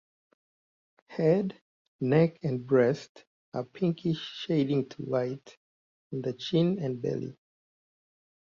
Head, neck and breast are pinkish shading to white on the chin and belly.